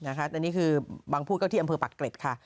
อันนี้คือบางพูดก็ที่อำเภอปักเกร็ดค่ะ